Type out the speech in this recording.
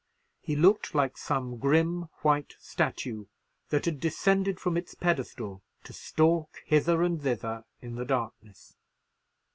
He looked like some grim white statue that had descended from its pedestal to stalk hither and thither in the darkness.